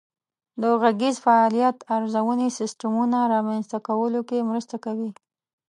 د غږیز فعالیت ارزونې سیسټمونه رامنځته کولو کې مرسته کوي.